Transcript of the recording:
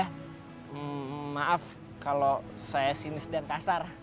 hmm maaf kalau saya sinis dan kasar